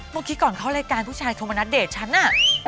เมื่อกี้ก่อนเข้ารายการผู้ชายโทรมานัดเดทฉันน่ะ